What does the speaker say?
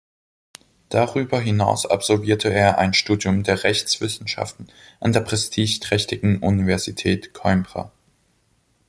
Darüber hinaus absolvierte er ein Studium der Rechtswissenschaften an der prestigeträchtigen Universität Coimbra.